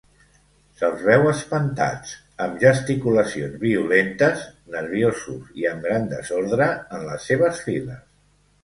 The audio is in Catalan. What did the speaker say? Se'ls veu espantats, amb gesticulacions violentes, nerviosos i amb gran desordre en les seves files.